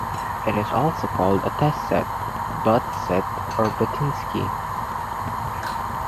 It is also called a test set, butt set, or buttinski.